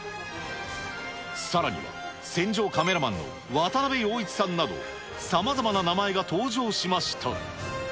さらには戦場カメラマンのわたなべよういちさんなど、さまざまな名前が登場しました。